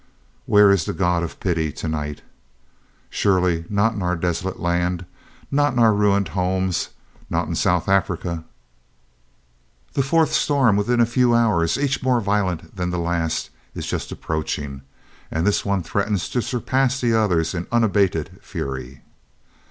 "Where is the God of pity to night? "Surely not in our desolate land, not in our ruined homes not in South Africa! "The fourth storm within a few hours, each more violent than the last, is just approaching, and this one threatens to surpass the others in unabated fury.